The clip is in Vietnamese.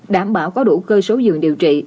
đảm bảo có đủ cơ số dường điều trị